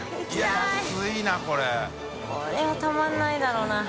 これはたまらないだろうな。